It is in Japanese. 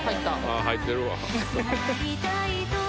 あ入ってるわ。